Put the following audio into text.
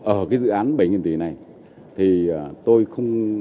ở dự án bảy tỷ này tôi không